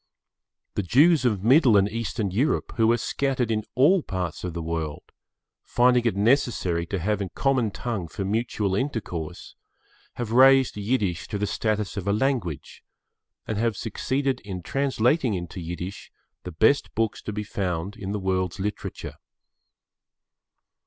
The Jews of Middle and Eastern Europe, who are scattered in all parts of the world, finding it necessary to have a common tongue for mutual intercourse, have raised Yiddish to the status of a language, and have succeeded in translating into Yiddish the best books to be found in the world's literature.